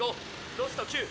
ロスト９。